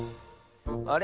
あれ？